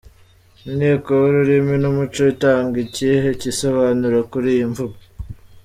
Inteko y’Ururimi n’Umuco itanga ikihe gisobanuro kuri iyi mvugo?.